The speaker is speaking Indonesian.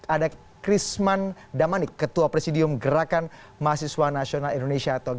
ada chrisman damani ketua presidium gerakan mahasiswa nasional indonesia